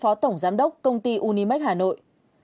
phó tổng giám đốc công ty unimax hà nội